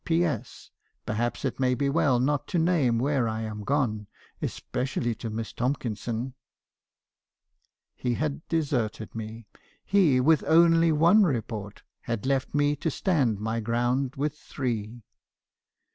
" 'P. S. Perhaps it may be as well not to name where I am gone, especially to Miss Tomkinson.' "He had deserted me. He — with only one report — had left me to stand my ground with three.